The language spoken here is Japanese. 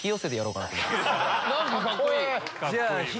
・何かカッコいい！